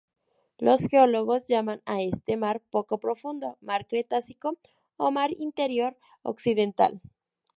Los geólogos llaman a este mar poco profundo mar cretácico o mar interior occidental.